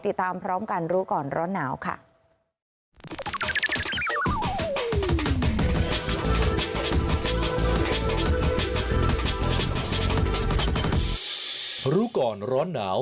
ติดตามพร้อมกันรู้ก่อนร้อนหนาวค่ะ